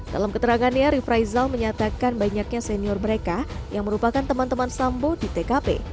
dalam keterangannya rifraizal menyatakan banyaknya senior mereka yang merupakan teman teman sambo di tkp